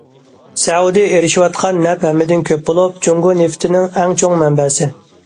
سەئۇدى ئېرىشىۋاتقان نەپ ھەممىدىن كۆپ بولۇپ، جۇڭگو نېفىتىنىڭ ئەڭ چوڭ مەنبەسى.